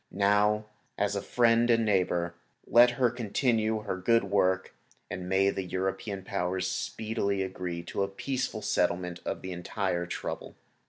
Now, as a friend and neighbor, let her continue her good work, and may the European Powers speedily agree to a peaceful settlement of the entire trouble.